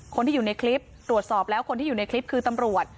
คนที่อยู่ในคลิปตรวจสอบแล้วคนที่อยู่ในคลิปคือตำรวจ